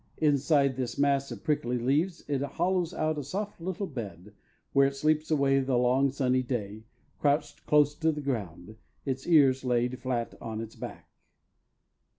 Inside this mass of prickly leaves it hollows out a soft little bed, where it sleeps away the long sunny day, crouched close to the ground, its ears laid flat on its back.